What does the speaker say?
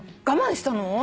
我慢したの？